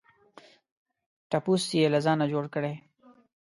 ټپوس یې له ځانه جوړ کړی.